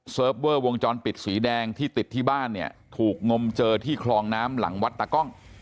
เวอร์วงจรปิดสีแดงที่ติดที่บ้านเนี่ยถูกงมเจอที่คลองน้ำหลังวัดตากล้อง